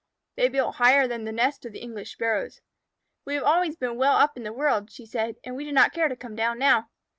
They built higher than the nest of the English Sparrows. "We have always been well up in the world," she said, "and we do not care to come down now."